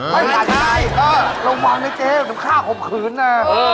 ไม่ผ่านควายระวังนะเจ๊เดี๋ยวจะฆ่าผมขืนน่ะ